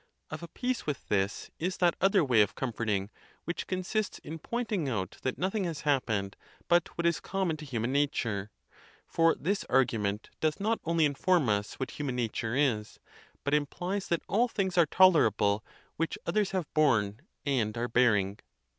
Of a piece with this is that other way of comforting, which consists in pointing out that nothing has happened but what is common to human nature; for this argument doth not only inform us what human nature is, but implies that all things are tolerable which others have borne and are bearing.